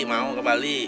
mau ke bali